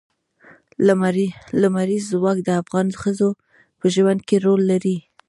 لمریز ځواک د افغان ښځو په ژوند کې رول لري.